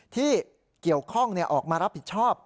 ที่เกี่ยวข้องออกมารับผิดชอบ